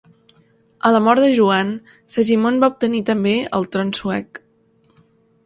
A la mort de Joan, Segimon va obtenir també el tron suec.